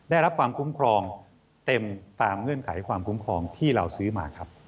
ได้รับความคุ้มครองเต็มตามเงื่อนไขความคุ้มครองที่เราซื้อมาครับ